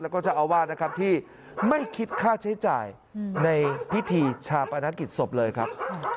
แล้วก็เจ้าอาวาสนะครับที่ไม่คิดค่าใช้จ่ายในพิธีชาปนกิจศพเลยครับ